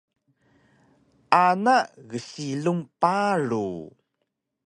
Ana gsilung paru